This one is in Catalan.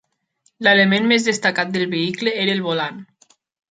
L'element més destacat del vehicle era el volant.